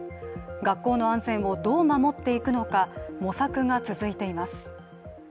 学校の安全をどう守っていくのか模索が続いています。